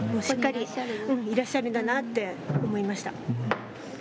しっかりいらっしゃるんだなって思いました。